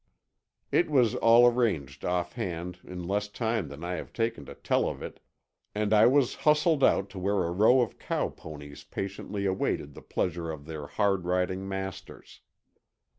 It was all arranged offhand in less time than I have taken to tell of it, and I was hustled out to where a row of cow ponies patiently awaited the pleasure of their hard riding masters.